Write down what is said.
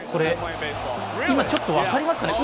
今ちょっと分かりますかね